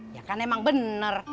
ya kan emang bener